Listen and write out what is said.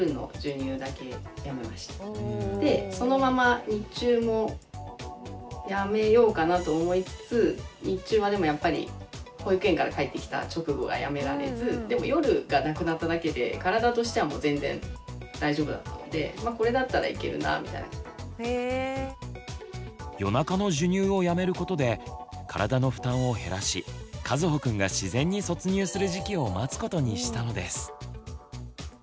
でそのまま日中もやめようかなと思いつつ日中はでもやっぱり保育園から帰ってきた直後がやめられず夜中の授乳をやめることで体の負担を減らしかずほくんが自然に卒乳する時期を待つことにしたのです。